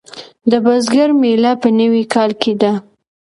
د بزګر میله په نوي کال کې ده.